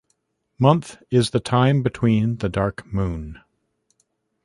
Month is the time between the dark moon.